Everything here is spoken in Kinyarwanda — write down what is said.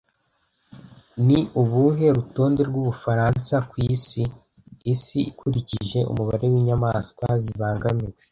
Ni ubuhe rutonde rw'Ubufaransa ku isi ukurikije umubare w'inyamaswa zibangamiwe